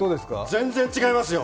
全然違いますよ！